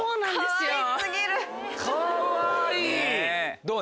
かわいい！